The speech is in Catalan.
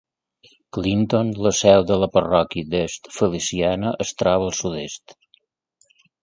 Clinton, la seu de la parròquia d'East Feliciana, es troba al sud-est.